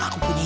aku punya ide